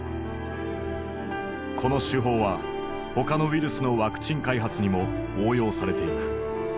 この手法は他のウイルスのワクチン開発にも応用されていく。